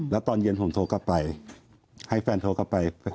แล้วตอนเย็นผมโทรกลับไปให้แฟนโทรกลับไป